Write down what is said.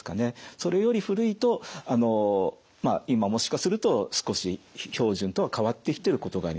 それより古いと今もしかすると少し標準とは変わってきてることがあります。